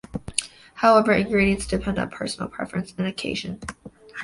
However, ingredients depend on personal preference and occasion.